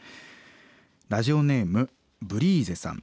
ラジオネームブリーゼさん。